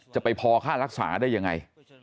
จะไปพอค่ารักษาได้ยังไง